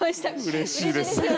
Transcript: うれしいですよね！